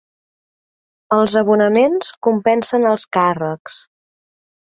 Els abonaments compensen els càrrecs.